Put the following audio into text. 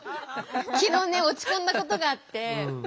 昨日ね落ち込んだことがあって。